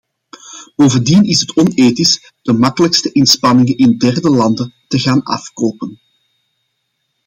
Bovendien is het onethisch de makkelijkste inspanningen in derde landen te gaan afkopen.